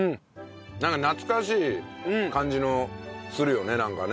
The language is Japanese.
なんか懐かしい感じのするよねなんかね。